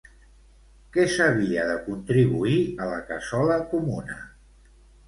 Què s'havia de contribuir a la cassola comuna?